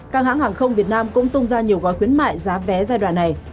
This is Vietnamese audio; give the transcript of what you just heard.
các hãng hàng không việt nam cũng tung ra nhiều gói khuyến mại giá vé giai đoạn này